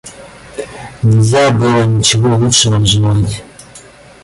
Нельзя было ничего лучшего желать.